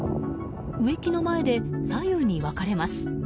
植木の前で左右に分かれます。